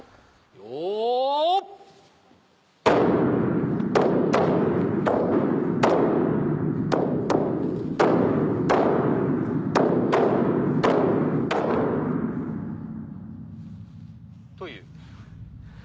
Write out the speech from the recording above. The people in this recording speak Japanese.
よお！という。